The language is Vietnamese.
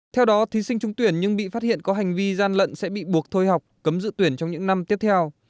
theo đó thí sinh trung tuyển nhưng bị phát hiện có hành vi gian lận sẽ bị buộc thôi học cấm dự tuyển trong những năm tiếp theo